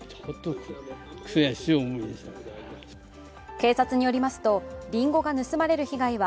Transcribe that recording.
警察によりますとりんごが盗まれる被害は